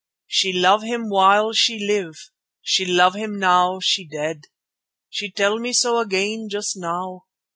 She love him while she live, she love him now she dead. She tell me so again just now.